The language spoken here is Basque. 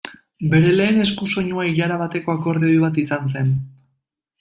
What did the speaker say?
Bere lehen eskusoinua ilara bateko akordeoi bat izan zen.